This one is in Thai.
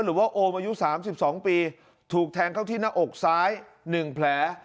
หรือว่าโอมอายุสามสิบสองปีถูกแทงเข้าที่หน้าอกซ้ายหนึ่งแผล